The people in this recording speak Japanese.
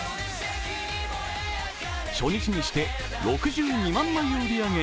初日にして６２万枚を売り上げ